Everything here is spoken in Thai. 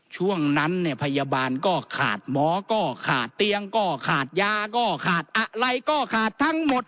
ช่วงนั้นเนี่ยพยาบาลก็ขาดหมอก็ขาดเตียงก็ขาดยาก็ขาดอะไรก็ขาดทั้งหมด